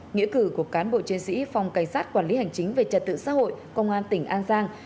nghĩa cử của cán bộ chiến sĩ phòng cảnh sát quản lý hành chính về trật tự xã hội công an tỉnh an giang